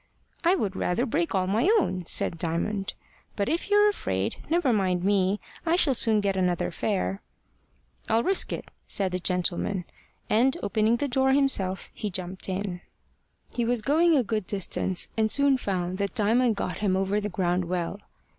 "I would rather break all my own," said Diamond. "But if you're afraid, never mind me; I shall soon get another fare." "I'll risk it," said the gentleman; and, opening the door himself, he jumped in. He was going a good distance, and soon found that Diamond got him over the ground well.